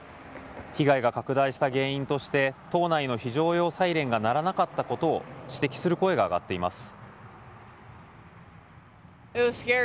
被害が拡大した原因として島内の非常用サイレンが鳴らなかったことを指摘する声が上がっています。